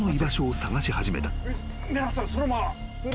皆さんそのまま。